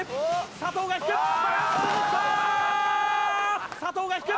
佐藤が引く。